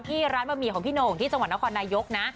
ที่ร้านบะหมี่ของพี่โหน่งที่จังหวัดนครนายกนะ